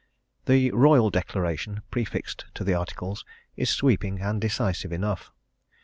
The Royal Declaration, prefixed to the Articles, is sweeping and decisive enough.